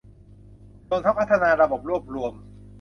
รวมทั้งพัฒนาระบบรวบรวม